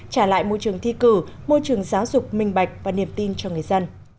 trả lại môi trường thi cử môi trường giáo dục minh bạch và niềm tin cho người dân